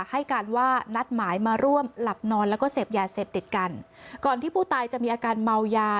ให้การว่านัดหมายมาร่วมหลับนอนแล้วก็เสพยาเสพติดกันก่อนที่ผู้ตายจะมีอาการเมายา